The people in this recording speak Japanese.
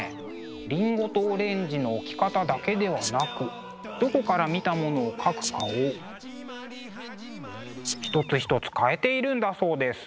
りんごとオレンジの置き方だけではなくどこから見たものを描くかを一つ一つ変えているんだそうです。